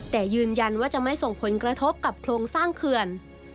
แต่ยืนยันว่าจะไม่ส่งผลกระทบกับโครงสร้างเขื่อน